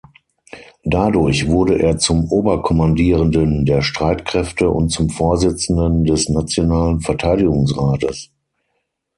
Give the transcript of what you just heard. Dadurch wurde er zum Oberkommandierenden der Streitkräfte und zum Vorsitzenden des Nationalen Verteidigungsrates.